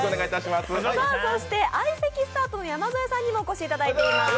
相席スタートの山添さんにもお越しいただいています。